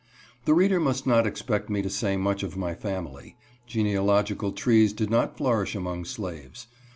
The reader must not expect me to say much of my family. Genealogical trees did not flourish among slaves.